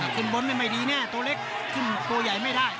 ขึ้นบนนี่ไม่ดีแน่ตัวเล็กขึ้นตัวใหญ่ไม่ได้